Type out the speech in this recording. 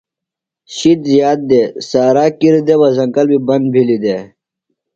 شِد زِیات دےۡ۔ سارا کِر دےۡ بہ زنگل بیۡ بند بِھلیۡ دےۡ۔